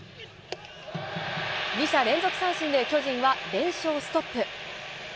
２者連続三振で、巨人は連勝ストップ。